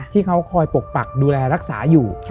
ที่เขาคอยปกปักดูแลรักษาอยู่